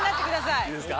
いいですか？